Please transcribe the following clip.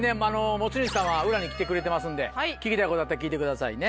持ち主さんは裏に来てくれてますんで聞きたいことあったら聞いてくださいね。